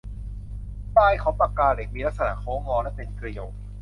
ปลายของปากกาเหล็กมีลักษณะโค้งงอและเป็นเกลียว